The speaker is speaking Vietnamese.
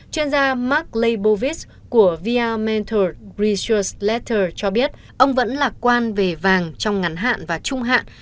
chuyên gia mark leibovitz của via mentor research letter cho biết ông vẫn lạc quan về vàng trong ngắn hạn và trung hạn